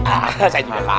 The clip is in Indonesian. ah saya juga paham kan